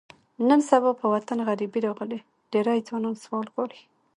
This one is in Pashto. نن سبا په وطن غریبي راغلې، ډېری ځوانان سوال غواړي.